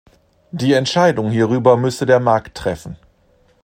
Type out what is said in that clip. Die Entscheidung hierüber müsse der Markt treffen.